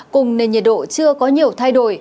cùng nền nhiệt độ chưa có nhiều thay đổi